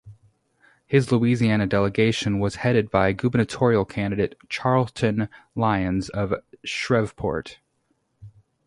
His Louisiana delegation was headed by gubernatorial candidate Charlton Lyons of Shreveport.